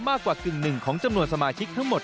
กว่ากึ่งหนึ่งของจำนวนสมาชิกทั้งหมด